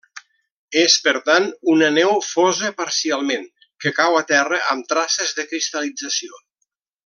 És per tant una neu fosa parcialment que cau a terra amb traces de cristal·lització.